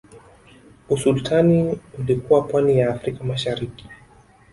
Usultani ulikuwa pwani ya afrika mashariki